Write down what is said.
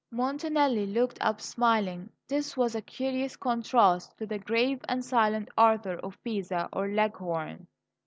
Montanelli looked up, smiling. This was a curious contrast to the grave and silent Arthur of Pisa or Leghorn.